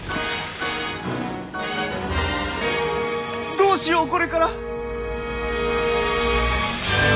どうしようこれから！